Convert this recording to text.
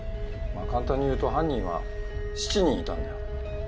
まあ簡単に言うと犯人は７人いたんだよ。